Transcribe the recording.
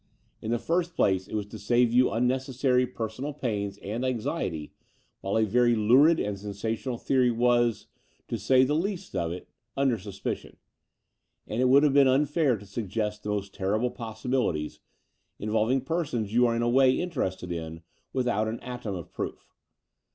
In the first place, it was to save you unneoessary personal pain and anxiety while a very lurid and sensational theory was, to say the least of it, under suspicion; and it would have been un fair to suggest the most terrible possibilities, in volving persons you are in a way interested in, without an atom of proof.